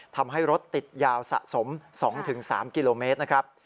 ทำให้รถติดยาวสะสม๒๓กิโลเมตรนะครับ